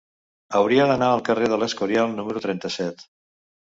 Hauria d'anar al carrer de l'Escorial número trenta-set.